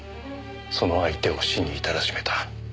その相手を死にいたらしめた。